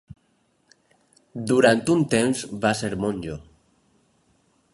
Durant un temps va ser monjo.